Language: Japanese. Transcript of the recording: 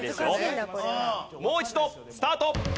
もう一度スタート！